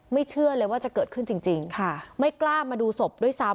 เชื่อเลยว่าจะเกิดขึ้นจริงค่ะไม่กล้ามาดูศพด้วยซ้ำ